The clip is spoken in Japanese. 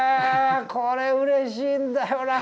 これうれしいんだよな